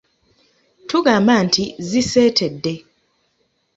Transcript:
Tugamba nti ziseetedde.